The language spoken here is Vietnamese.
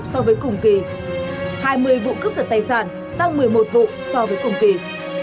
so với cùng kỳ hai mươi vụ cướp giật tài sản tăng một mươi một vụ so với cùng kỳ